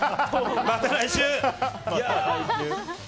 また来週！